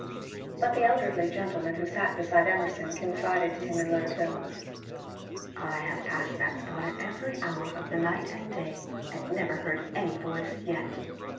But the elderly gentleman who sat beside Emerson confided to him in low tones, '^ I have passed that spot at every hour of the night and day and never heard any voice yet.